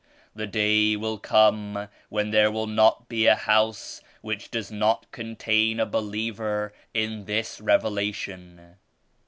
The day will come when there will not be a house which does not contain a believer in this Revelation.